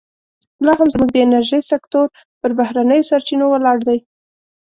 لا هم زموږ د انرژۍ سکتور پر بهرنیو سرچینو ولاړ دی.